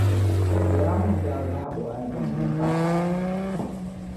o nyɛla ŋun daa bahi o album din pahiri ayi.